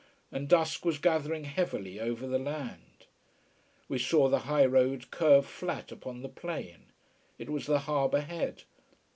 And dusk was gathering heavily over the land. We saw the high road curve flat upon the plain. It was the harbour head.